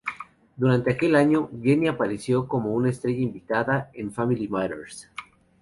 Durante aquel año, Jennie apareció como una estrella invitada en "Family Matters".